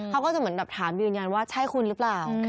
เขาก็จะเหมือนแบบถามยืนยันว่าใช่คุณหรือเปล่า